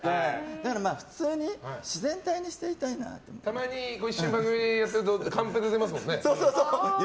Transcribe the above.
だから、普通に自然体にしていたいなと。たまに一緒に番組やってるとカンペが出ますもんね。